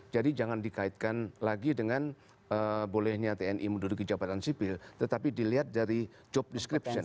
jadi jangan dikaitkan lagi dengan bolehnya tni menduduki jabatan sipil tetapi dilihat dari job description